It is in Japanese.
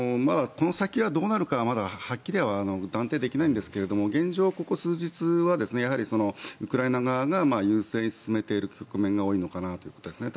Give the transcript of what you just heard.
この先、どうなるかまだはっきりは断定できないんですが現状、ここ数日はウクライナ側が優勢に進めている局面が多いと思いますね。